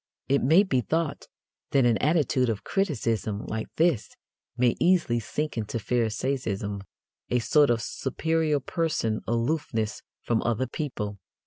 It may be thought that an attitude of criticism like this may easily sink into Pharisaism a sort of "superior person" aloofness from other people.